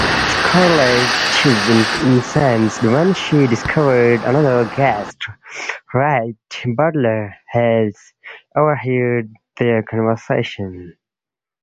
Scarlett is incensed when she discovers another guest, Rhett Butler, has overheard their conversation.